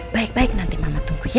baik baik nanti mama tunggu